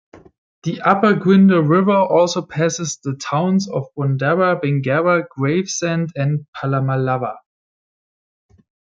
The upper Gwydir River also passes the towns of Bundarra, Bingara, Gravesend, and Pallamallawa.